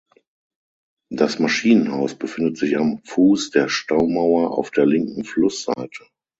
Das Maschinenhaus befindet sich am Fuß der Staumauer auf der linken Flussseite.